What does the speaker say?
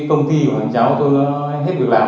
công ty của anh cháu tôi đã hết việc làm